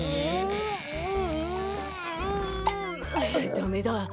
ダメだ。